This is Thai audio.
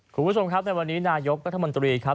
คุณผู้ชมครับในวันนี้นายกรัฐมนตรีครับ